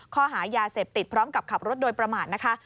ข้อหายาเสพติดพร้อมกับขับรถโดยประมาทนะคะ